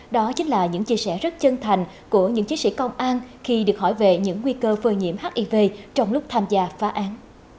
đó chính là những chia sẻ rất chân thành của những chiến sĩ công an khi được hỏi về những nguy cơ phơi nhiễm hiv trong lúc tham gia phá án